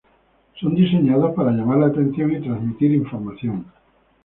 Son diseñados para llamar la atención y transmitir información.